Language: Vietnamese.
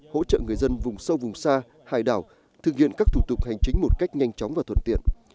hỗ trợ người dân vùng sâu vùng xa hải đảo thực hiện các thủ tục hành chính một cách nhanh chóng và thuận tiện